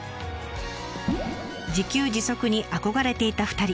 自給自足に憧れていた２人。